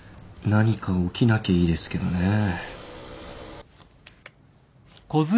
何か起きなきゃいいですけどね。